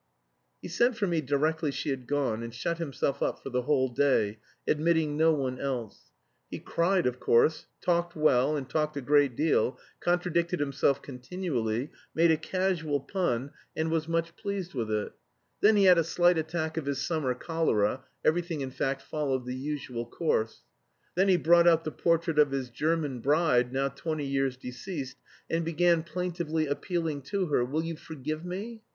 He sent for me directly she had gone and shut himself up for the whole day, admitting no one else. He cried, of course, talked well and talked a great deal, contradicted himself continually, made a casual pun, and was much pleased with it. Then he had a slight attack of his "summer cholera" everything in fact followed the usual course. Then he brought out the portrait of his German bride, now twenty years deceased, and began plaintively appealing to her: "Will you forgive me?"